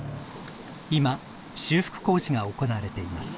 今修復工事が行われています。